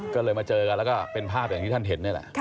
ก็เลยมาเจอกันแล้วก็เป็นภาพอย่างที่ท่านเห็นนี่แหละ